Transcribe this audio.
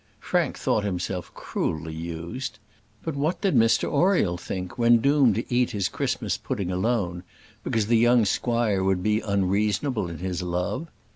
Frank thought himself cruelly used. But what did Mr Oriel think when doomed to eat his Christmas pudding alone, because the young squire would be unreasonable in his love?